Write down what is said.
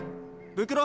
ブクロ。